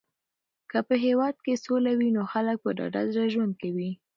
که په هېواد کې سوله وي نو خلک په ډاډه زړه ژوند کوي.